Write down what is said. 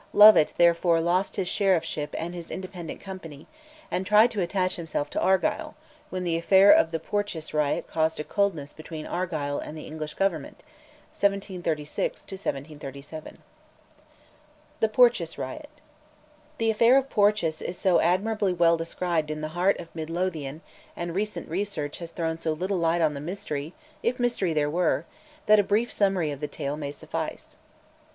Lovat therefore lost his sheriffship and his independent company, and tried to attach himself to Argyll, when the affair of the Porteous Riot caused a coldness between Argyll and the English Government (1736 1737). THE PORTEOUS RIOT. The affair of Porteous is so admirably well described in 'The Heart of Mid Lothian,' and recent research has thrown so little light on the mystery (if mystery there were), that a brief summary of the tale may suffice.